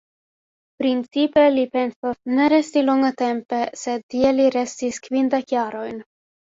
Principe, li pensas ne resti longatempe, sed tie li restis kvindek jarojn.